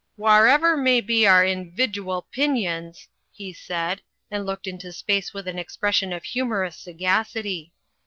"Wharever may be our invidual pinions," he said, and looked into space with an expression of humorous sagacity.